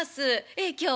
ええ今日は？